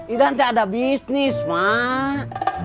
idan kamu ada bisnis mak